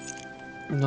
何？